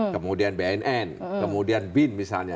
kemudian bnn kemudian bin misalnya